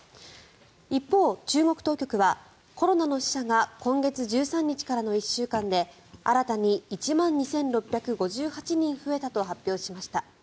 一方、中国当局はコロナの死者が今月１３日からの１週間で新たに１万２６５８人増えたと発表しました。